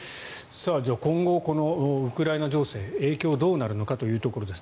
今後、ウクライナ情勢影響がどうなるのかというところです。